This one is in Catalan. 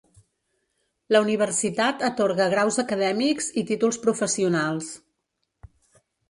La universitat atorga graus acadèmics i títols professionals.